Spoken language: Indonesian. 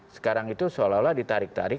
sekarang itu seolah olah ditarik tarik